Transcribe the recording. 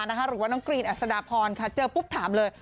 หรือว่าน้องกรีนอัศดาพรเจอปุ๊บถามเลย